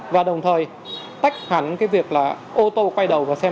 và đồng thời tách hẳn việc là ô tô quay đầu và xe máy